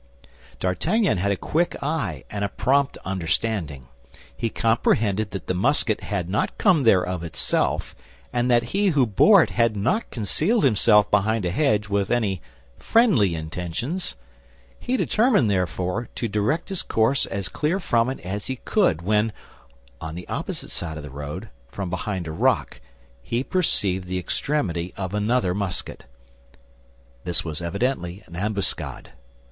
D'Artagnan had a quick eye and a prompt understanding. He comprehended that the musket had not come there of itself, and that he who bore it had not concealed himself behind a hedge with any friendly intentions. He determined, therefore, to direct his course as clear from it as he could when, on the opposite side of the road, from behind a rock, he perceived the extremity of another musket. This was evidently an ambuscade.